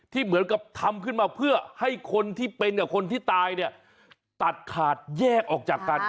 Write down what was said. เหมือนกับทำขึ้นมาเพื่อให้คนที่เป็นคนที่ตายเนี่ยตัดขาดแยกออกจากกัน